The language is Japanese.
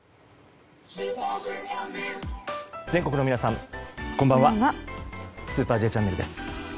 全国の皆さん、こんばんは「スーパーＪチャンネル」です。